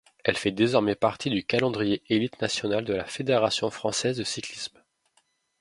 Elle fait désormais partie du calendrier élite nationale de la Fédération française de cyclisme.